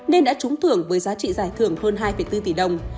nên đã trúng thưởng với giá trị giải thưởng hơn hai bốn tỷ đồng